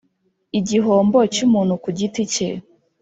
igihombo cy umuntu ku giti cye